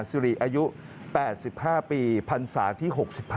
สิริอายุ๘๕ปีพันศาที่๖๕